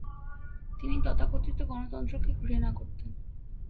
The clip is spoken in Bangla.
তিনি তথাকথিত গণতন্ত্রকে ঘৃণা করতেন।